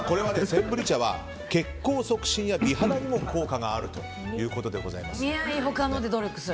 センブリ茶は血行促進や美肌にも効果があるということでございます。